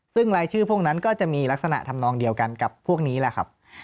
ซึ่งรายชื่อพวกนั้นก็จะมีลักษณะทำนองเดียวกันกับพวกนี้แหละครับ